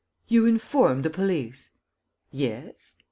"You informed the police?" "Yes."